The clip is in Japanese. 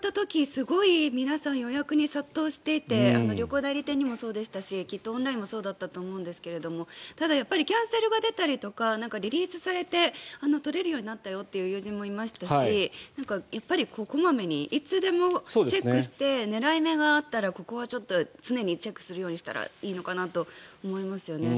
すごく予約に殺到していて旅行代理店にもそうでしたしきっとオンラインもそうだったと思うんですがただ、キャンセルが出たりとかリリースされて取れるようになったよという友人もいましたし小まめにいつでもチェックして狙い目があったらここはちょっと常にチェックするようにしたらいいのかなと思いますね。